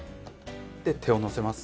で手をのせます。